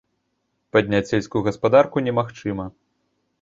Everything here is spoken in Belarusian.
Падняць сельскую гаспадарку немагчыма.